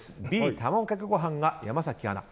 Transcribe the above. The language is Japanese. Ｂ、卵かけご飯が山崎アナ。